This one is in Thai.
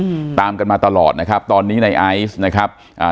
อืมตามกันมาตลอดนะครับตอนนี้ในไอซ์นะครับอ่า